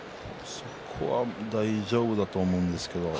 そこは大丈夫だと思うんですけど。